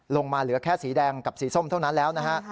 เหลือแค่สีแดงกับสีส้มเท่านั้นแล้วนะฮะ